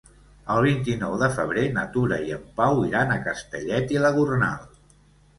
El vint-i-nou de febrer na Tura i en Pau iran a Castellet i la Gornal.